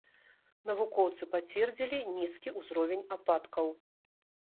Навукоўцы пацвердзілі нізкі ўзровень ападкаў.